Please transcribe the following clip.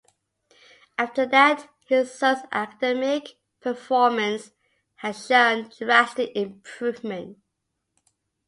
After that, his son's academic performance has shown drastic improvement.